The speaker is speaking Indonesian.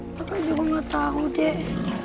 bapak juga gak tahu dek